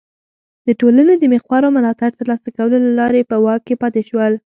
د ټولنې د مخورو ملاتړ ترلاسه کولو له لارې په واک کې پاتې شول.